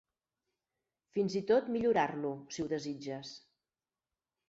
Fins i tot millorar-lo, si ho desitges.